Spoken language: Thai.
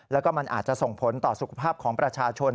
แล้วก็มันอาจจะส่งผลต่อสุขภาพของประชาชน